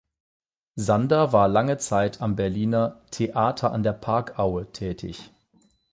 Sander war lange Zeit am Berliner "Theater an der Parkaue" tätig.